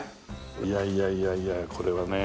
いやいやいやいやこれはね。